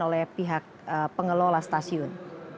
oleh pihak pengelola stasiun